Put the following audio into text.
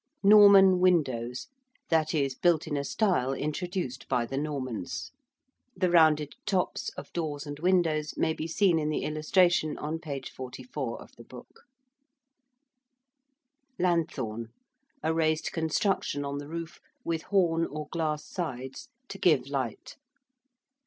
~Norman windows~: that is, built in a style introduced by the Normans. The rounded tops of doors and windows maybe seen in the illustration on p. 44. ~lanthorn~: a raised construction on the roof, with horn or glass sides to give light.